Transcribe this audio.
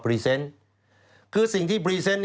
ปรีเซนต์คือสิ่งที่ปรีเซนต์